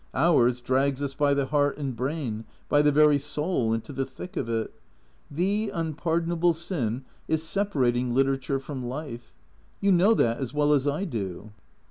Ours drags us by the heart and brain, by the very soul, into the thick of it. The unpardon able sin is separating literature from life. You know that as well as I do."